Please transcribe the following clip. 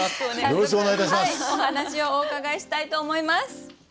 お話をお伺いしたいと思います。